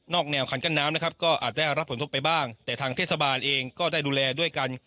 แนวคันกั้นน้ำนะครับก็อาจได้รับผลทบไปบ้างแต่ทางเทศบาลเองก็ได้ดูแลด้วยกัน